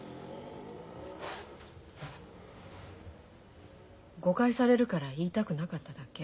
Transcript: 誤解されるから言いたくなかっただけ。